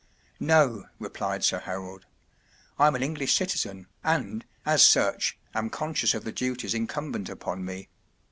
“ No,” replied Sir Harold. “ I’m an English citizen, and, as such, am conscious of the duties incumbent upon me.